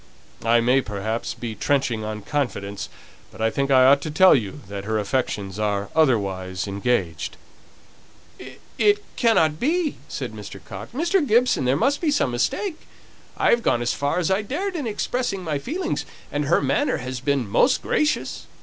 I may, perhaps, be trenching on confidence, but I think I ought to tell you that her affections are otherwise engaged." "It cannot be!" said Mr. Coxe. "Mr. Gibson, there must be some mistake. I have gone as far as I dared in expressing my feelings, and her manner has been most gracious.